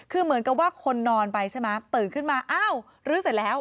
คือเหมือนกับว่าคนนอนไปใช่ไหมตื่นขึ้นมาอ้าวลื้อเสร็จแล้ว